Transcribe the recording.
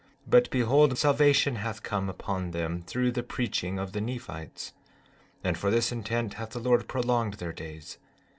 But behold, salvation hath come unto them through the preaching of the Nephites; and for this intent hath the Lord prolonged their days.